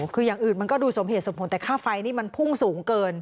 คืออย่างอื่นมันก็ดูสมเหตุสมผลแต่ค่าไฟนี่มันพุ่งสูงเกิน